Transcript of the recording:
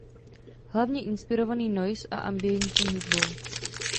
Hlavně inspirovaný noise a ambientní hudbou.